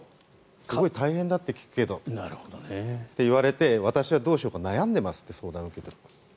すごい大変だって聞くけどって言われて私はどうしようか悩んでますって相談を受ける。